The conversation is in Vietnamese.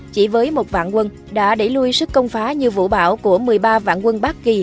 chỉ với một vạn quân đã đẩy lui sức công phá như vũ bảo của một mươi ba vạn quân bác kỳ